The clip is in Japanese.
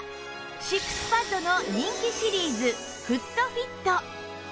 シックスパッドの人気シリーズフットフィット